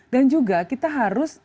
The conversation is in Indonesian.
dan juga kita harus